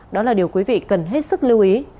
đó là điều quý vị cần hết sức lưu ý